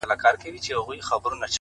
د حوصله مندي ځواک اوږدې لارې لنډوي,